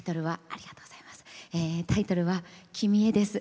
タイトルは「キミへ」です。